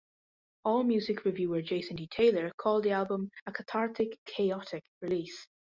AllMusic reviewer Jason D. Taylor called the album "a cathartic, chaotic release".